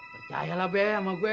percayalah be sama gue